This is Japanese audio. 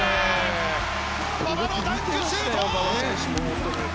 馬場のダンクシュート！